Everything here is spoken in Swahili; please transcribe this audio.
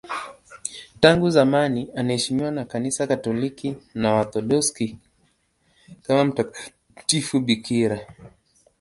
Tangu zamani anaheshimiwa na Kanisa Katoliki na Waorthodoksi kama mtakatifu bikira.